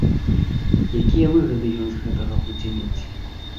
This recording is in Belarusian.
Якія выгады ён з гэтага будзе мець?